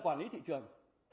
quản lý thị trường